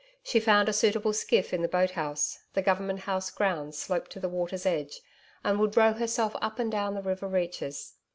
She found a suitable skiff in the boat house the Government House grounds sloped to the water's edge, and would row herself up and down the river reaches.